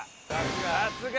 さすが！